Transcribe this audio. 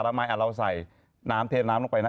เราใส่น้ำเทน้ำลงไปนะ